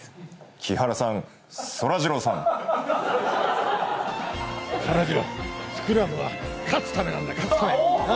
木原さん、そらジロー、スクラムは勝つためなんだ、勝つため。